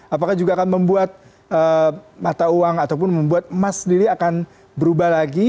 apakah juga akan membuat mata uang ataupun membuat emas sendiri akan berubah lagi